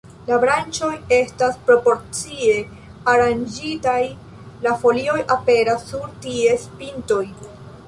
La branĉoj estas proporcie aranĝitaj, la folioj aperas sur ties pintoj.